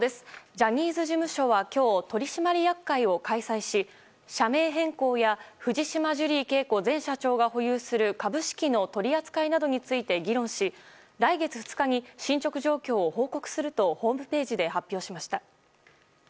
ジャニーズ事務所は今日取締役会を開催し社名変更や藤島ジュリー景子前社長が保有する株式の取り扱いなどについて議論し来月２日に進捗状況を報告するとホームページで発表しました。